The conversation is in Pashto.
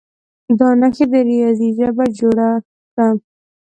دا نښې د ریاضي ژبه جوړه کړه.